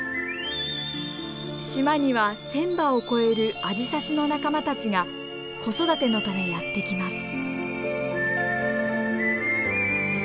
島には１，０００羽を超えるアジサシの仲間たちが子育てのためやって来ます。